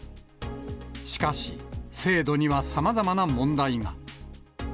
しかし、制度にはさまざまな問題が。